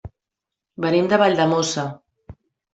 Venim de Valldemossa.